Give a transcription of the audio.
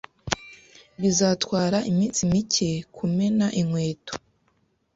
Bizatwara iminsi mike kumena inkweto